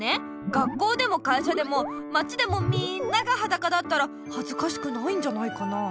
学校でも会社でも町でもみんながはだかだったらはずかしくないんじゃないかなあ。